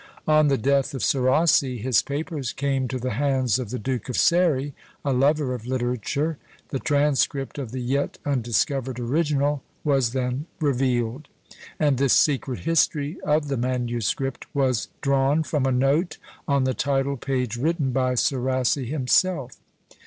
On the death of Serassi, his papers came to the hands of the Duke of Ceri, a lover of literature; the transcript of the yet undiscovered original was then revealed! and this secret history of the manuscript was drawn from a note on the title page written by Serassi himself.